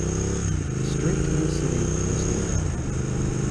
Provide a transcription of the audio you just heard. A street in the city was named after him.